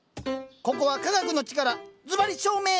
ここは科学の力ずばり照明！